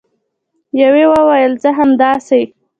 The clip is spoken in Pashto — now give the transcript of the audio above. یوې وویل: زه همداسې